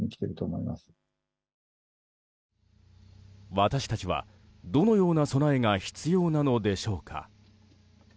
私たちは、どのような備えが必要なのでしょうか。